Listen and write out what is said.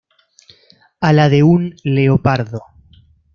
A la de un leopardo".